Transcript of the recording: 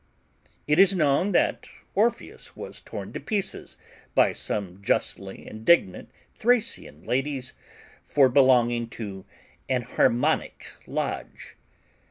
It is known that Orpheus was torn to pieces by some justly indignant Thracian ladies for belonging to an Harmonic Lodge.